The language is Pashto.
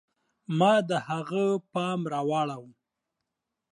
ما د هغه پام را واړوه.